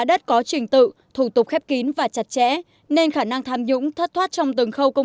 đất có trình tự thủ tục khép kín và chặt chẽ nên khả năng tham nhũng thất thoát trong từng khâu công